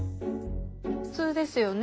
普通ですよね。